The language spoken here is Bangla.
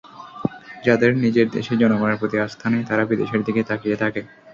যাদের নিজের দেশের জনগণের প্রতি আস্থা নেই, তারা বিদেশের দিকে তাকিয়ে থাকে।